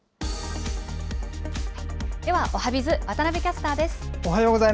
では、おはＢｉｚ、渡部キャスターです。